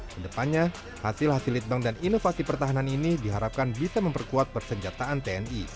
kedepannya hasil hasil lead bank dan inovasi pertahanan ini diharapkan bisa memperkuat persenjataan tni